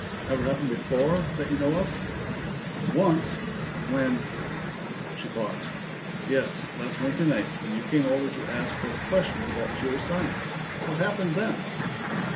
"Ever happen before, that you know of?" "Once. When " She paused. "Yes. Last Wednesday night, when you came over to ask those questions about pure science. What happened then?"